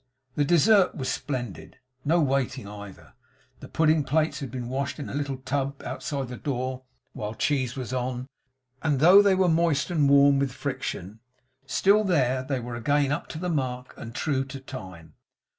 The dessert was splendid. No waiting either. The pudding plates had been washed in a little tub outside the door while cheese was on, and though they were moist and warm with friction, still there they were again, up to the mark, and true to time.